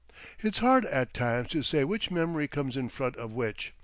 It's hard at times to say which memory comes in front of which.